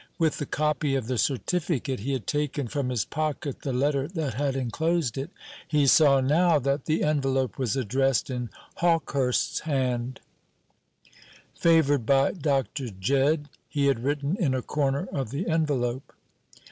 With the copy of the certificate, he had taken from his pocket the letter that had enclosed it. He saw now that the envelope was addressed in Hawkehurst's hand. "Favoured by Dr. Jedd," he had written in a corner of the envelope.